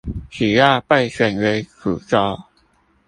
只要被選為主軸